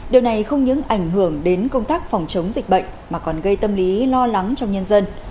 điều này không những ảnh hưởng đến công tác phòng chống dịch bệnh mà còn gây tâm lý lo lắng trong nhân dân